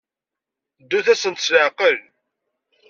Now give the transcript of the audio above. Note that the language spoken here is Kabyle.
Ddut-asent s leɛqel.